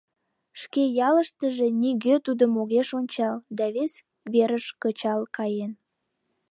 Шке ялыштыже нигӧ тудым огеш ончал да вес верыш кычал каен.